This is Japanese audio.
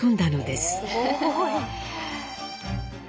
すごい。